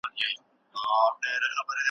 کور مو اباد وساتئ.